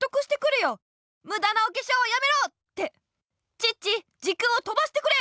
チッチ時空をとばしてくれ！